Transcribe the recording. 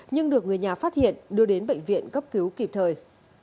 nhưng được người nhà phát hiện đưa đến bệnh viện cấp cứu kịp thời